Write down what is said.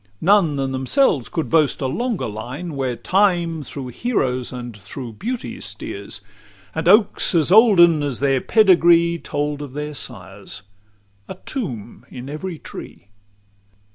None than themselves could boast a longer line, Where time through heroes and through beauties steers; And oaks as olden as their pedigree Told of their sires, a tomb in every tree.